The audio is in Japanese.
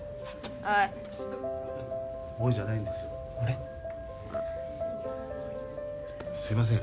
ああすいません